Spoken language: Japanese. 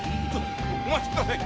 お待ちください。